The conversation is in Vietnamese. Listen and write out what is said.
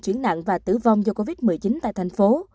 chuyển nặng và tử vong do covid một mươi chín tại thành phố